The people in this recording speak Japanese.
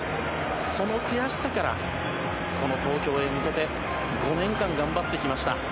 その悔しさからこの東京へ向けて５年間頑張ってきました。